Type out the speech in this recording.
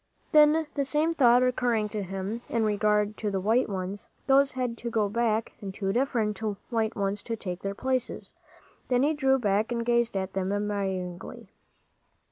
Then the same thought occurring to him in regard to the white ones, those had to go back and two different white ones take their places. Then he drew back, and gazed at them admiringly.